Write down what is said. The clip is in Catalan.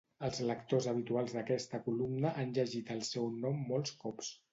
Els lectors habituals d'aquesta columna han llegit el seu nom molts cops.